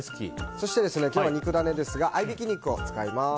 そして、今日の肉ダネですが合いびき肉を使います。